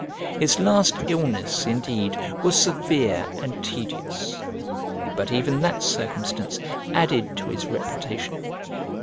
His last illness, indeed, was severe and tedious, but even that circumstance added to his reputation.